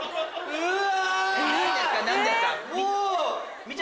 うわ！